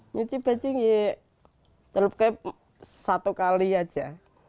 mencik baju ini ya celupkan satu kali aja